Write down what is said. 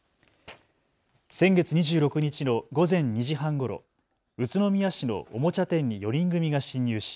先月２６日の午前２時半ごろ、宇都宮市のおもちゃ店に４人組が侵入し